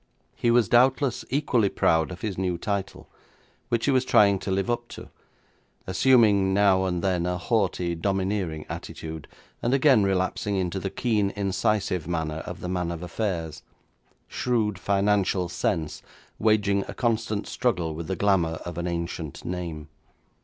He was doubtless equally proud of his new title, which he was trying to live up to, assuming now and then a haughty, domineering attitude, and again relapsing into the keen, incisive manner of the man of affairs; shrewd financial sense waging a constant struggle with the glamour of an ancient name.